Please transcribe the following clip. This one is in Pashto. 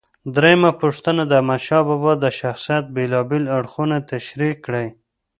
درېمه پوښتنه: د احمدشاه بابا د شخصیت بېلابېل اړخونه تشریح کړئ.